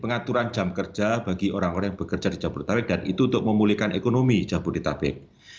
pengaturan jam kerja bagi orang orang yang bekerja di jabodetabek dan itu untuk memulihkan ekonomi jabodetabek